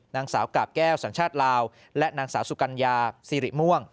นางสาวกาบแก้วสัญชาติลาวและนางสาวสุกัญญาสิริม่วง